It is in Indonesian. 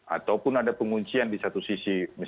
ataupun ada penguncian di satu sisi